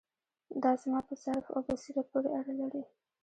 دا زما په ظرف او بصیرت پورې اړه لري.